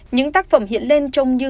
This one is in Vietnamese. những tác phẩm hiện lên trông như